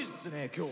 今日。